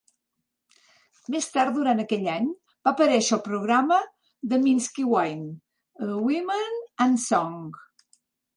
Més tard durant aquell any, va aparèixer al programa de Minsky Wine, Women and Song.